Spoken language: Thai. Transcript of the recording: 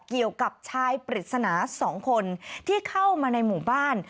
เกี่ยวกับชายปริศนา๒คนที่เข้ามาในหมู่บ้าน